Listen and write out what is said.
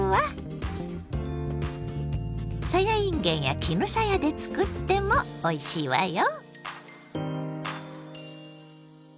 さやいんげんや絹さやで作ってもおいしいわよ。